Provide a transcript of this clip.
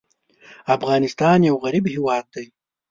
افغانستان یو غریب هېواد دی.